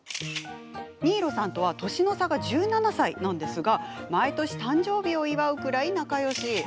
新納さんとは年の差１７歳ですが毎年、誕生日を祝うくらい仲よし。